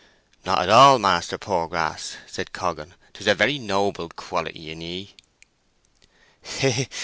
"Not at all, Master Poorgrass," said Coggan. "'Tis a very noble quality in ye." "Heh heh!